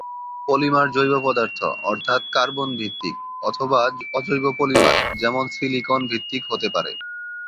Polymer জৈব পদার্থ, অর্থাৎ কার্বন-ভিত্তিক, অথবা অজৈব পলিমার, যেমন সিলিকন-ভিত্তিক হতে পারে।